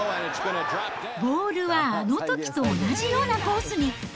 ボールはあのときと同じようなコースに。